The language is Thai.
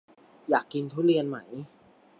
อยากกินทุเรียนไหม